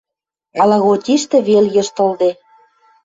Ала котиштӹ вел йыштылде